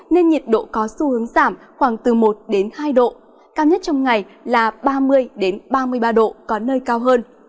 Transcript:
nên nhiệt độ có xu hướng giảm khoảng từ một hai độ cao nhất trong ngày là ba mươi ba mươi ba độ có nơi cao hơn